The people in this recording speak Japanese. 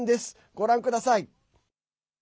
ご覧ください。